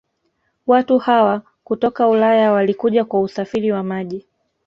Watu hawa kutoka ulaya Walikuja kwa usafiri wa maji